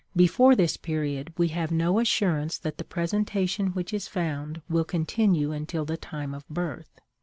Before this period, we have no assurance that the presentation which is found will continue until the time of birth.